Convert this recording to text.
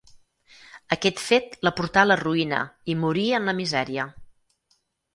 Aquest fet la portà a la ruïna i morí en la misèria.